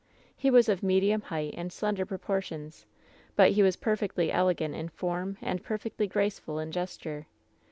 He was of medium height and slender proportions; but he was perfectly elegant in form and perfectly graceful in ges ture.